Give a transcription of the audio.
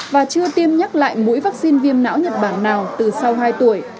và chưa tiêm nhắc lại mũi vaccine viêm não nhật bản nào từ sau hai tuổi